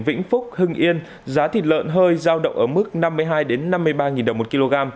vĩnh phúc hưng yên giá thịt lợn hơi giao động ở mức năm mươi hai năm mươi ba đồng một kg